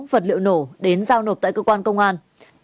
vật liệu nổ đến giao nộp tại cơ quan công an